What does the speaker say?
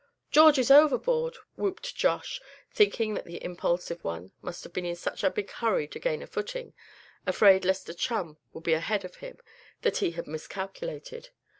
"George is overboard!" whooped Josh, thinking that the impulsive one must have been in such a big hurry to gain a footing, afraid lest a chum would be ahead of him, that he had miscalculated.